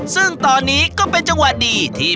ซึ่งตอนนี้ก็เป็นจังหวะดีที่